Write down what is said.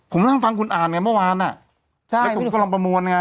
ผมนั่งฟังคุณอ่านไงเมื่อวานน่ะ